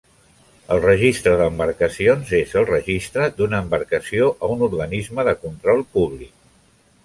El registre d'embarcacions és el registre d'una embarcació a un organisme de control públic.